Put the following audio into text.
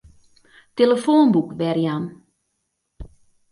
Tillefoanboek werjaan.